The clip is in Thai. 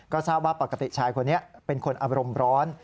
ก็ทราบว่าปกติชายคนนี้เป็นคนอารมณ์ร้อน